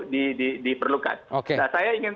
diperlukan saya ingin